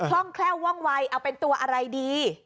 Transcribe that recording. ร่องแคล่วว่องวัยเอาเป็นตัวอะไรดี